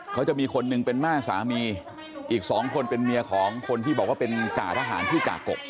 เขาจะมีคนหนึ่งเป็นแม่สามีอีกสองคนเป็นเมียของคนที่บอกว่าเป็นจ่าทหารชื่อกากก